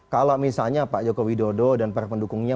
kalau misalnya pak jokowi dodo dan para pendukungnya